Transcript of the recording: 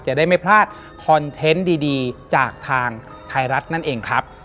จะได้ไม่พลาดคอนเทนต์ดีจากทางไทยรัฐนั่นเองครับ